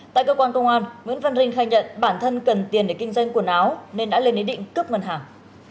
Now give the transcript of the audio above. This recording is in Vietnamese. tại cơ quan công an nguyễn văn linh khai nhận bản thân cần tiền để kinh doanh quần áo nên đã lên ý định cướp ngân hàng